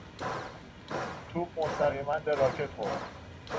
توپ مستقیما به راکت خورد.